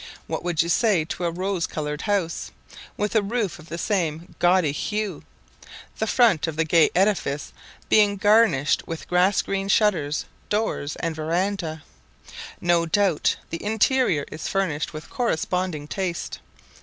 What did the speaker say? What would you say to a rose coloured house, with a roof of the same gaudy hue, the front of the gay edifice being garnished with grass green shutters, doors, and verandah. No doubt the interior is furnished with corresponding taste.